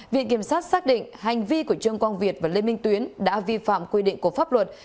viện kiểm sát xác định hành vi của trương quang việt và lê minh tuyến đã vi phạm quy định của pháp luật